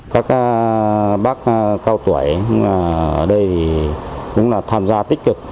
các bác cao tuổi ở đây cũng là tham gia tích cực